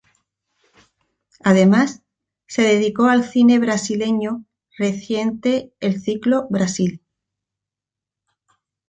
Además, se dedicó al cine brasileño reciente el ciclo "Brasil.